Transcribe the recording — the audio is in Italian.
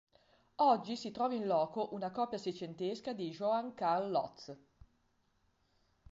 Oggi si trova in loco una copia seicentesca di Johann Carl Loth.